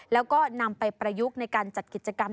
แล้วก็นำไปประยุกต์ในการจัดกิจกรรม